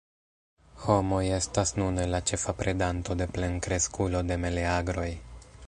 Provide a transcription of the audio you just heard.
Homoj estas nune la ĉefa predanto de plenkreskulo de meleagroj.